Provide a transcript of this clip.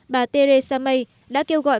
bà theresa may đã kêu gọi